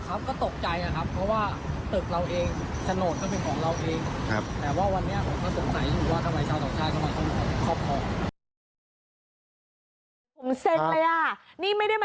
ครับก็ตกใจนะครับเพราะว่า